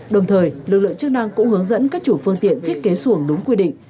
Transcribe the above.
đồng thời lực lượng chức năng cũng hướng dẫn các chủ phương tiện thiết kế xuồng đúng quy định